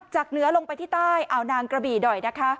จากเนื้อลงไปที่ใต้เอานางกระบี่หน่อยนะคะ